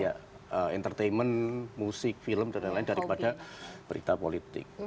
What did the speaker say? ya entertainment musik film dan lain lain daripada berita politik